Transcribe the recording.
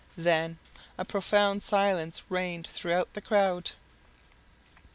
Then a profound silence reigned throughout the crowd.